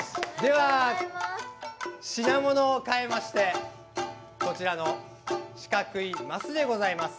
品物を変えましてこちらの四角い升でございます。